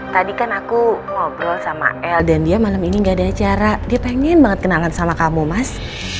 tadi kan aku ngobrol sama el dan dia malam ini gak ada acara dia pengen banget kenalan sama kamu mas